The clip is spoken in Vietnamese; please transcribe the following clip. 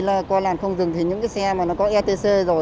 theo quy trình đi qua làn không dừng thì những cái xe mà nó có etc rồi